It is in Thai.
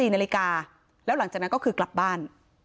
๔นาฬิกาแล้วหลังจากนั้นก็คือกลับบ้าน